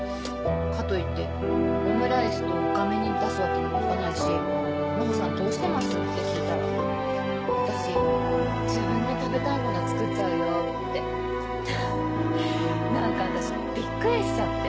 かといってオムライスとがめ煮出すわけにもいかないし「真帆さんどうしてます？」って聞いたら「私自分の食べたいもの作っちゃうよ」って。何か私ビックリしちゃって。